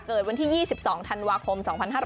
เกิดวันที่๒๒ธันวาคม๒๕๕๙